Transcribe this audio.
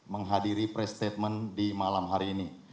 menghadiri pre statement di malam hari ini